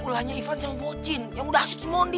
ulahnya ivan sama bocin yang udah asyik mondi